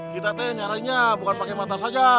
kita teh nyarinya bukan pakai mata saja